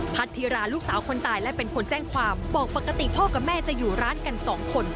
ธิราลูกสาวคนตายและเป็นคนแจ้งความบอกปกติพ่อกับแม่จะอยู่ร้านกันสองคน